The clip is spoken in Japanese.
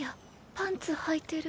パンツはいてる。